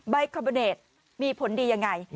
ใบคาร์โบเนทมีผลดียังไง